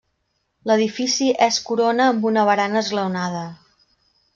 L'edifici és corona amb una barana esglaonada.